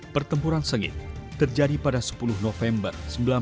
pertempuran sengit terjadi pada sepuluh november seribu sembilan ratus empat puluh